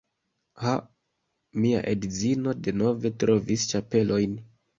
Ha, mia edzino denove trovis ĉapelojn